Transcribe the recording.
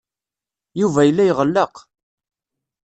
Yuba yella iɣelleq.